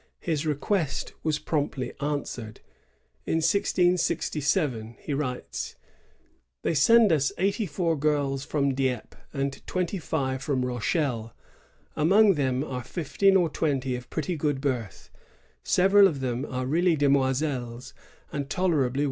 His request was promptly answered. In 1667, he writes: "They send us eighty four girls from Dieppe and twenty five from Rochelle ; among them are fifteen or twenty of pretty good birth; several of them are really demoiselles^ and tolerably 1 Colbert h Talon, 20 F^v.